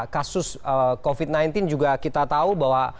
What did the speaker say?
kasus covid sembilan belas juga kita tahu bahwa